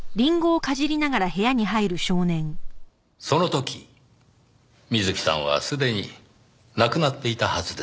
その時みずきさんはすでに亡くなっていたはずです。